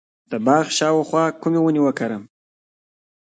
د باغ شاوخوا کومې ونې وکرم؟